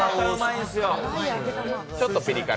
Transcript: ちょっとピリ辛。